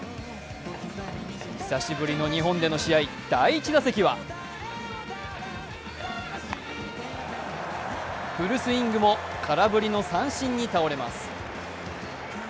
久しぶりの日本での試合、第１打席はフルスイングも空振りの三振に倒れます。